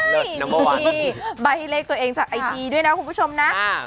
นี่ใบเลขตัวเองจากไอจีด้วยนะคุณผู้ชมนะ